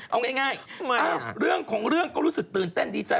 เอาง่ายเรื่องของเรื่องก็รู้สึกตื่นเต้นดีใจ